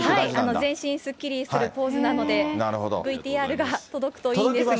全身すっきりするポーズなので、ＶＴＲが届くといいですが。